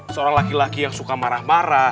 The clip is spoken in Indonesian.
seorang laki laki yang suka marah marah